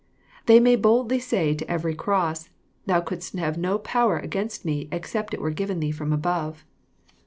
They may boldly say to every cross, —" Thou couldst have no power against me, except it were given thee from above."